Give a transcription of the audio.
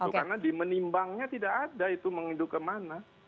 karena di menimbangnya tidak ada itu menginduk kemana